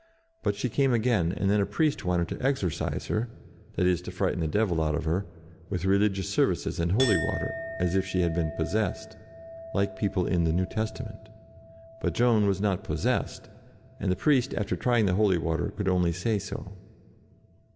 But she came again, and then a priest wanted to exorcise her, that is to frighten the devil out of her, with religious services and holy water, as if she had been " possessed," like people in the New Testament. But Joan was not possessed, and the priest, after trying the holy water, could only say so.